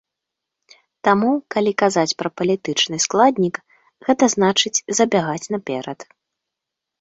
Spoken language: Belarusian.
Таму, калі казаць пра палітычны складнік, гэта значыць, забягаць наперад.